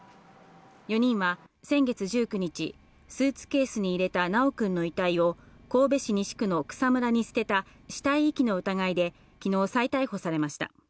４人は先月１９日、スーツケースに入れた修くんの遺体を神戸市西区の草むらに捨てた死体遺棄の疑いできのう再逮捕されました。